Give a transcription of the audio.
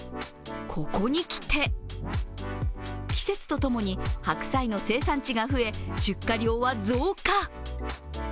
ここに来て季節とともに白菜の生産地が増え出荷量は増加。